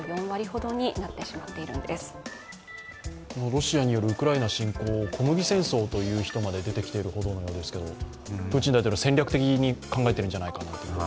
ロシアによるウクライナ侵攻を小麦戦争という人まで出てきているんですがプーチン大統領は戦略的に考えているんじゃないかと。